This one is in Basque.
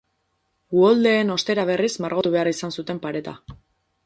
Uholdeen ostera berriz margotu behar izan zuten pareta.